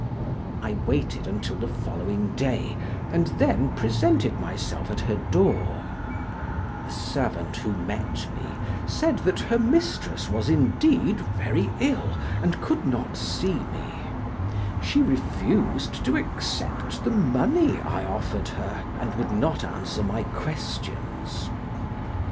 I waited until the following day and then presented myself at her door; the servant who met me said that her mistress was indeed very ill and could not see me; she refused to accept the money I offered her, and would not answer my questions.